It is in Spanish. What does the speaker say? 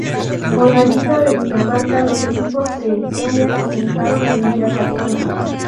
Con la ayuda de Dinamarca, los equipos da Estonia comenzaron a limpiar la zona.